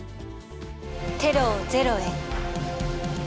テロをゼロへ。